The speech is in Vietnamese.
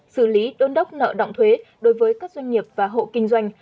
xử lý đôn đốc nợ động thuế đối với các doanh nghiệp và hộ kinh doanh